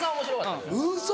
ウソ！